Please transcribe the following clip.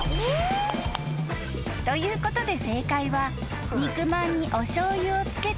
［ということで正解は］